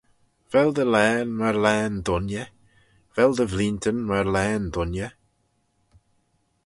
Vel dty laghyn myr laghyn dooinney? vel dty vleeantyn myr laghyn dooinney.